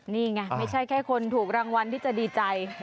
นี่ไงไม่ใช่แค่คนถูกรางวัลที่จะดีใจ